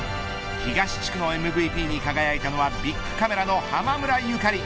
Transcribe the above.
東地区のＭＶＰに輝いたのはビックカメラの濱村ゆかり。